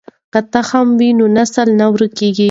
که تخم وي نو نسل نه ورکېږي.